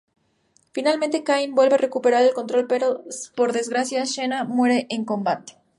Finalmente, Kain vuelve a recuperar el control, pero por desgracia Sheena muere en combate.